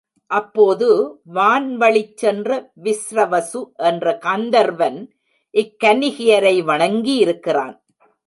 அப்போது வான்வழிச் சென்ற விஸ்ரவசு என்ற கந்தர்வன் இக் கன்னிகையரை வணங்கியிருக்கிறான்.